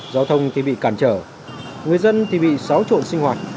giao thông thì bị cản trở người dân thì bị xáo trộn sinh hoạt